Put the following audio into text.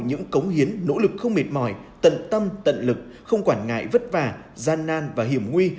những cống hiến nỗ lực không mệt mỏi tận tâm tận lực không quản ngại vất vả gian nan và hiểm nguy